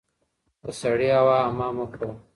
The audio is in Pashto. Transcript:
د سړې هوا حمام مه کوه